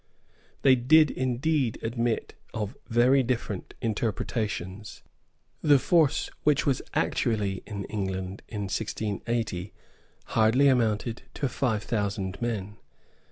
They did indeed admit of very different interpretations. The force which was actually in England in 1680 hardly amounted to five thousand men.